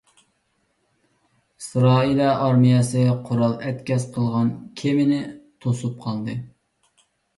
ئىسرائىلىيە ئارمىيەسى قورال ئەتكەس قىلغان كېمىنى توسۇپ قالدى.